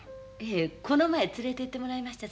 ええこの前連れていってもらいました